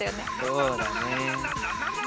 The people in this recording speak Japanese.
そうだね。